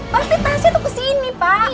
pasti tasnya tuh kesini pak